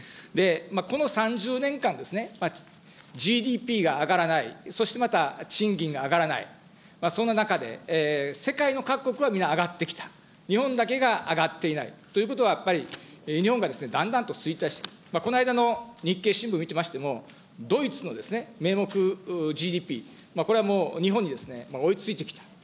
この３０年間ですね、ＧＤＰが上がらない、そしてまた、賃金が上がらない、そんな中で、世界の各国はみんな上がってきた、日本だけが上がっていないということは、やっぱり日本がですね、だんだんと衰退し、この間の日経新聞見てみましても、ドイツのですね、名目ＧＤＰ、これはもう日本にですね、追いついてきた。